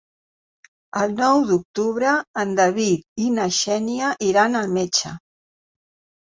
El nou d'octubre en David i na Xènia iran al metge.